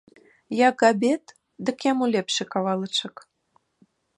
Як абед, дык яму лепшы кавалачак.